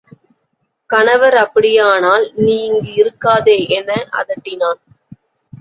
கணவர் அப்படியானால் நீ இங்கு இருக்காதே என அதட்டினான்.